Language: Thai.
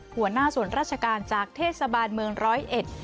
หัวหน้าส่วนราชการจากเทศบาลเมือง๑๐๑